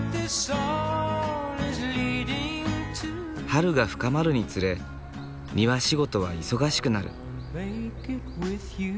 春が深まるにつれ庭仕事は忙しくなる。